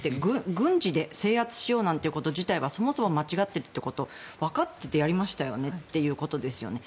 軍事で制圧しようなんてこと自体がそもそも間違っていることを分かっててやりましたよねってことですよね。